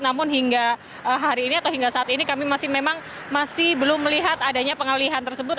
namun hingga hari ini atau hingga saat ini kami masih memang masih belum melihat adanya pengalihan tersebut